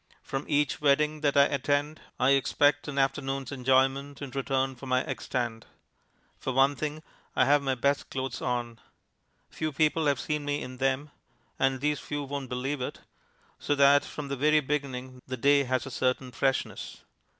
From each wedding that I attend I expect an afternoon's enjoyment in return for my egg stand. For one thing I have my best clothes on. Few people have seen me in them (and these few won't believe it), so that from the very beginning the day has a certain freshness.